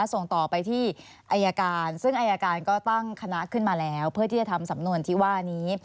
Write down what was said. ส่งต่อไปที่อายการซึ่งอายการก็ตั้งคณะขึ้นมาแล้วเพื่อที่จะทำสำนวนที่ว่านี้